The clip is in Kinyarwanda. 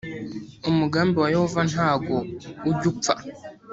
umugambi wa yehova ntago ujyupfa.